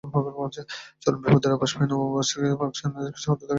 চরম বিপদের আভাস পেয়ে নভেম্বর মাস থেকেই পাক সেনারা পিছু হটতে থাকে।